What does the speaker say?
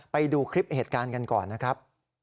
ไปดูคลิปเหตุการณ์กันก่อนนะครับ